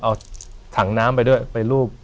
เอาถังน้ำไปด้วยไปรูป